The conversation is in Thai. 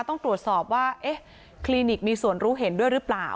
ต้องตรวจสอบว่าเอ๊ะคลินิกมีส่วนรู้เห็นด้วยหรือเปล่า